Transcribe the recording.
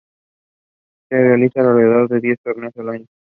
Se realizan alrededor de diez torneos al año.